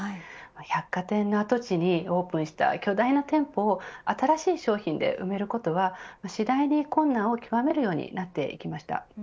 百貨店の跡地にオープンした巨大な店舗を新しい商品で埋めることは次第に困難を極めるようになってきました。